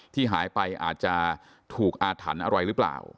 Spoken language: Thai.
ที่หายไปอาจจะถูกอาถรรพ์อะไรหรือเปล่า